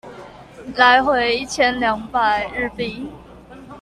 來回一千兩百日幣